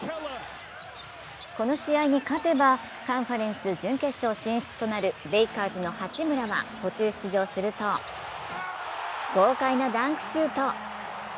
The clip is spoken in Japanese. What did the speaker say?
この試合に勝てば、カンファレンス準決勝進出となるレイカーズの八村は途中出場すると豪快なダンクシュート。